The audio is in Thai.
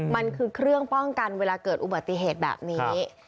มันคือเครื่องป้องกันเวลาเกิดอุบัติเหตุแบบนี้